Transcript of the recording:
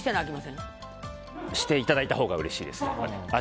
していただいたほうがいいです。